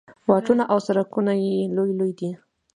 واټونه او سړکونه یې لوی لوی دي.